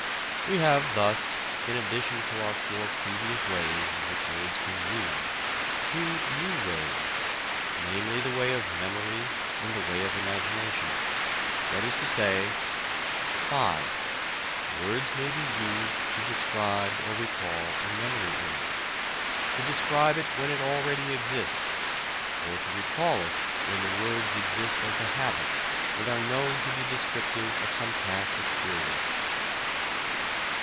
We have thus, in addition to our four previous ways in which words can mean, two new ways, namely the way of memory and the way of imagination. That is to say: (5) Words may be used to describe or recall a memory image: to describe it when it already exists, or to recall it when the words exist as a habit and are known to be descriptive of some past experience.